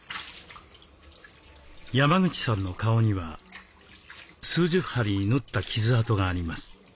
山口さんの顔には数十針縫った傷痕があります。